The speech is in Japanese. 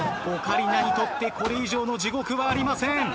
オカリナにとってこれ以上の地獄はありません。